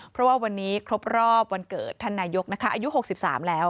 เพราะว่าวันนี้ครบรอบวันเกิดท่านนายกนะคะอายุ๖๓แล้ว